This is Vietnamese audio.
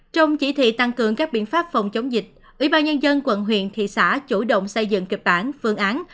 trong chỉ thị tăng cường các biện pháp phòng chống dịch ủy ban nhân dân quận huyện thị xã chủ động xây dựng kịch bản phương án